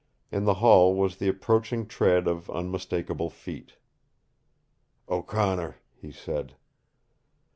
In the hall was the approaching tread of unmistakable feet. "O'Connor," he said.